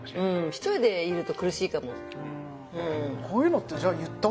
一人でいると苦しいかも。